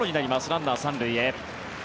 ランナー、３塁へ。